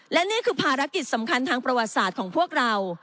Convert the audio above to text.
และนี่คือภารกิจสำคัญทางประวัติศาสตร์ของพวกเรา